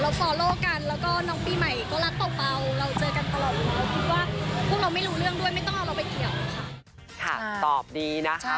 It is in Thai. เราฟอลโลกันแล้วก็น้องปีใหม่ก็รักเปล่า